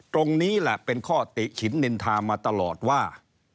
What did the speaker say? ตรงนี้แหละเป็นข้อติฉินนินทามาตลอดว่า